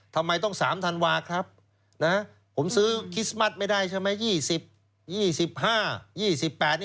ทำไมต้อง๓ธันวาครับผมซื้อคริสต์มัสไม่ได้ใช่ไหม